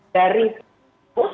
tapi sosialitasnya dari